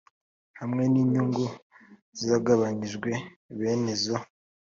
hamwe n inyungu zagabanyijwe bene zo